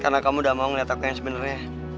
karena kamu udah mau ngeliat aku yang sebenernya